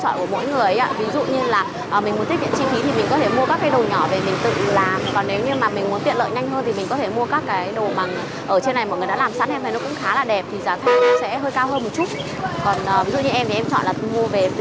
còn ví dụ như em thì em chọn là mua về em tự làm